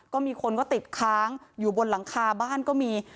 ก็มีคนก็ติดค้างอยู่บนหลังคาบ้านก็มี